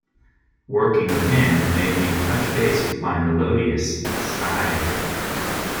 Working with him made me touch base with my melodious side.